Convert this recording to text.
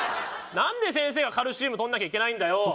何で先生がカルシウム取んなきゃいけないんだよ